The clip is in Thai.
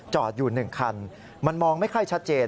อยู่๑คันมันมองไม่ค่อยชัดเจน